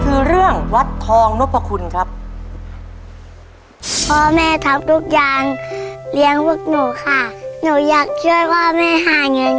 ซึ่งเป็นคำตอบที่